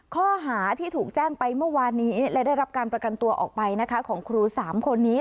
ข้อหาที่ถูกแจ้งไปเมื่อวานนี้และได้รับการประกันตัวออกไปนะคะของครู๓คนนี้